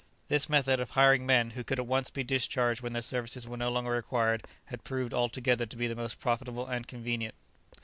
This method of hiring men who could be at once discharged when their services were no longer required had proved altogether to be the most profitable and convenient.